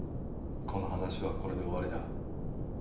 この話はこれで終わりだ。